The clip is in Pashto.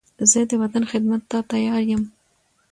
زه د وطن خدمت ته تیار یم.